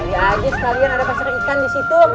ya ada pasar ikan disitu